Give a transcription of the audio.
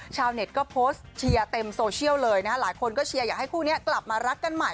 ชาวเน็ตก็โพสต์เชียร์เต็มโซเชียลเลยนะฮะหลายคนก็เชียร์อยากให้คู่นี้กลับมารักกันใหม่